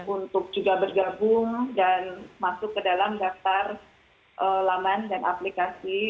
untuk juga bergabung dan masuk ke dalam daftar laman dan aplikasi